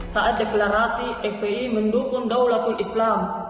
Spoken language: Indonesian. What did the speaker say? saat deklarasi fpi mendukung daulatul islam